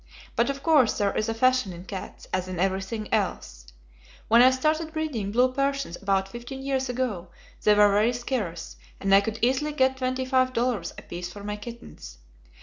But of course there is a fashion in cats, as in everything else. When I started breeding blue Persians about fifteen years ago they were very scarce, and I could easily get twenty five dollars apiece for my kittens.